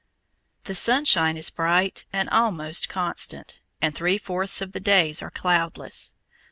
The sunshine is bright and almost constant, and three fourths of the days are cloudless.